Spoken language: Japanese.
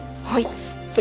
はい。